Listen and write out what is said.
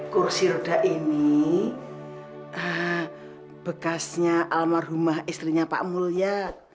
kursi roda ini bekasnya almarhumah istrinya pak mulya